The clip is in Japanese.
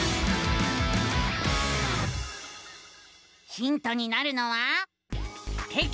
ヒントになるのは「テキシコー」。